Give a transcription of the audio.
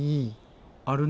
あるね